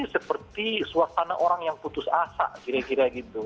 seperti suasana orang yang putus asa kira kira gitu